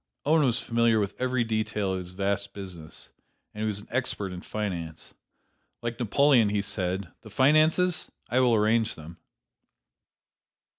Owen was familiar with every detail of his vast business, and he was an expert in finance. Like Napoleon he said: "The finances? I will arrange them."